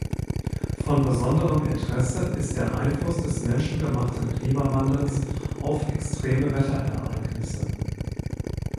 Von besonderem Interesse ist der Einfluss des menschengemachten Klimawandels auf extreme Wetterereignisse.